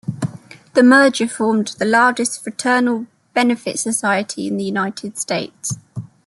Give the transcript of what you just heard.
The merger formed the largest fraternal benefit society in the United States.